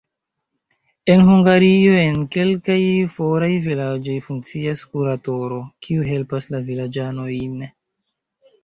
En Hungario en kelkaj foraj vilaĝoj funkcias kuratoro, kiu helpas la vilaĝanojn.